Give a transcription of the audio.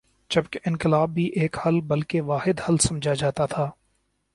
جب انقلاب بھی ایک حل بلکہ واحد حل سمجھا جاتا تھا۔